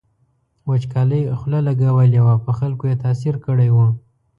وچکالۍ خوله لګولې وه په خلکو یې تاثیر کړی و.